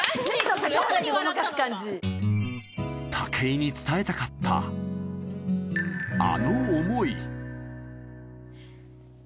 武井に伝えたかった、あの思い。